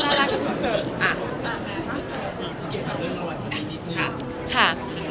ค่ะ